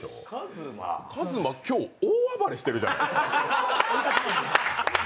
ＫＡＺＭＡ、今日、大暴れしてるじゃない。